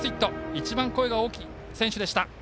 一番声が大きい選手でした。